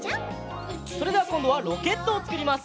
それではこんどはロケットをつくります。